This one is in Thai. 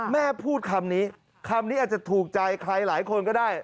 แม่พูดคำนี้คำนี้อาจจะถูกใจใครหลายคนก็ได้